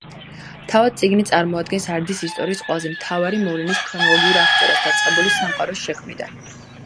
თავად წიგნი წარმოადგენს არდის ისტორიის ყველაზე მთავარი მოვლენების ქრონოლოგიურ აღწერას, დაწყებული სამყაროს შექმნიდან.